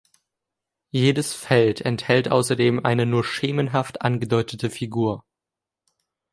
Jedes Feld enthält außerdem eine nur schemenhaft angedeutete Figur.